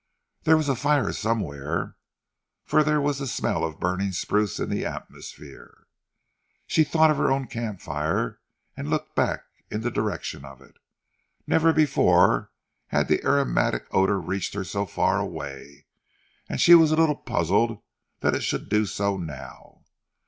There was a fire somewhere, for there was the smell of burning spruce in the atmosphere. She thought of her own camp fire, and looked back in the direction of it. Never before had the aromatic odour reached her so far away, and she was a little puzzled that it should do so now.